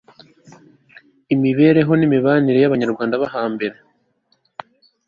imibereho n'imibanire y'abanyarwanda bo hambere